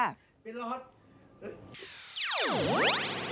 เป็นละครับ